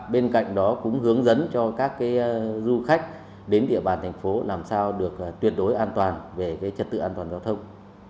bên cạnh đó cũng hướng dẫn cho các du khách đến địa bàn thành phố làm sao được tuyệt đối an toàn về trật tự an toàn giao thông